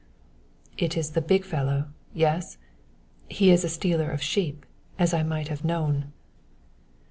"It is the big fellow yes? He is a stealer of sheep, as I might have known."